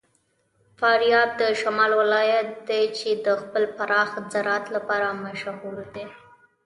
فاریاب د شمال ولایت دی چې د خپل پراخ زراعت لپاره مشهور دی.